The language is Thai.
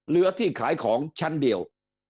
เรือที่ขายของชั้นเดียว